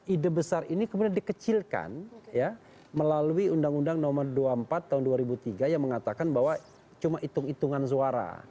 ide besar ini kemudian dikecilkan melalui undang undang nomor dua puluh empat tahun dua ribu tiga yang mengatakan bahwa cuma hitung hitungan suara